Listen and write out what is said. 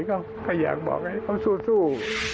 ก็อยากบอกให้เขาสู้